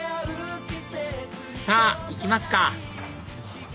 さぁ行きますか！